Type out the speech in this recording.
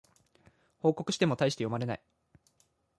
報告してもたいして読まれない